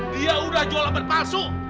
dia udah jual obat palsu